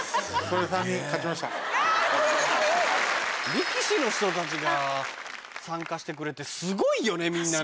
力士の人たちが参加してくれてすごいよねみんなね。